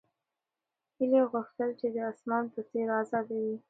هیلې غوښتل چې د اسمان په څېر ازاده وي.